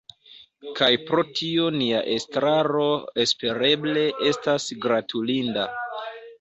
Kaj pro tio nia estraro espereble estas gratulinda.